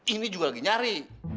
ini juga lagi nyari